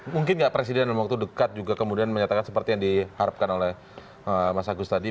mungkin nggak presiden dalam waktu dekat juga kemudian menyatakan seperti yang diharapkan oleh mas agus tadi